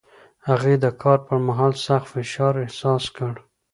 هغې د کار پر مهال سخت فشار احساس کړ.